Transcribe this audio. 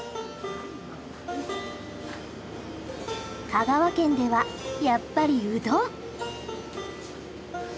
香川県ではやっぱりうどん。